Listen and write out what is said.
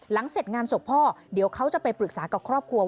เสร็จงานศพพ่อเดี๋ยวเขาจะไปปรึกษากับครอบครัว